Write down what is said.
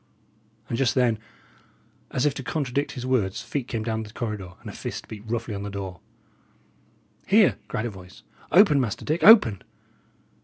And just then, as if to contradict his words, feet came down the corridor, and a fist beat roughly on the door. "Here!" cried a voice. "Open, Master Dick; open!"